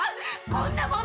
こんなもの！」